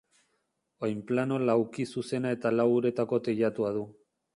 Oinplano laukizuzena eta lau uretako teilatua du.